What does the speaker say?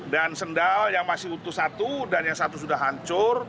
dan sendal yang masih utuh satu dan yang satu sudah hancur